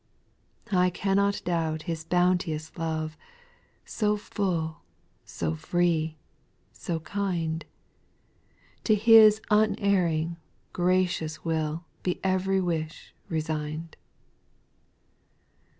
2. I cannot doubt His bounteous love, So full, so free, so kind ; To His unerring, gracious will Be ev'ry wish resigned.